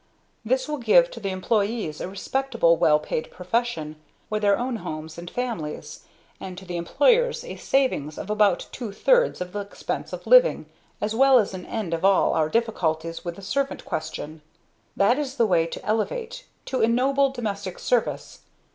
This will give to the employees a respectable well paid profession, with their own homes and families; and to the employers a saving of about two thirds of the expense of living, as well as an end of all our difficulties with the servant question. That is the way to elevate to enoble domestic service.